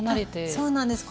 そうなんです。